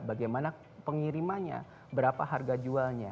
bagaimana pengirimannya berapa harga jualnya